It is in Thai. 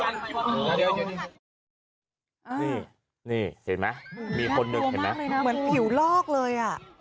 นี่นี่เห็นไหมมีคนหนึ่งเห็นไหมเหมือนผิวลอกเลยอ่ะ